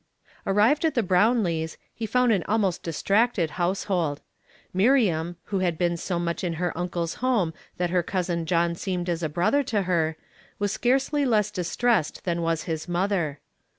Arrived at the Brownlees', he found an almost distracted household. Miriam, who had been so much in her uncle's home that her cousin John seemed as a brother to her, was scarcely less dis tressed than was his mother.